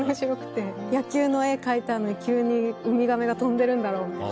野球の絵描いてあるのに急にウミガメが飛んでるんだろう？みたいな。